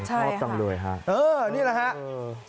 ใช่ครับนี่แหละครับ